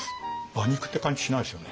馬肉って感じしないですよね。